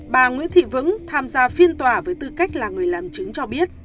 bà nguyễn thị vững tham gia phiên tòa với tư cách là người làm chứng cho biết